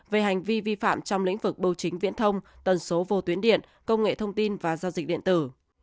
về hành vi vi phạm trong lĩnh vực bưu chính viễn thông tần số vô tuyến điện công nghệ thông tin và giao dịch điện tử